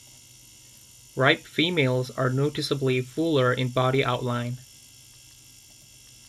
Ripe females are noticeably fuller in body outline.